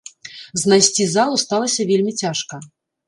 Знайсці залу сталася вельмі цяжка.